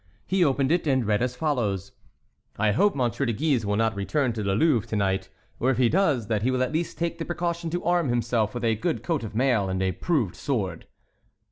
He opened it, and read as follows: "I hope M. de Guise will not return to the Louvre to night; or if he does, that he will at least take the precaution to arm himself with a good coat of mail and a proved sword."